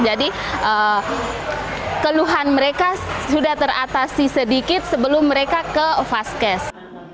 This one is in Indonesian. jadi keluhan mereka sudah teratasi sedikit sebelum mereka ke puskes